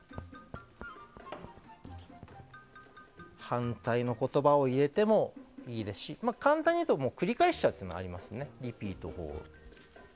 反対の言葉を入れてもいいですし簡単に言うと繰り返しちゃうのもありですね。